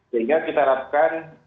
sehingga kita harapkan